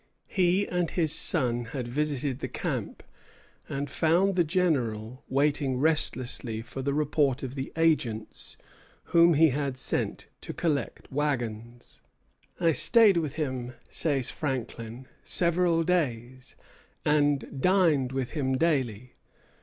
He and his son had visited the camp, and found the General waiting restlessly for the report of the agents whom he had sent to collect wagons. "I stayed with him," says Franklin, "several days, and dined with him daily.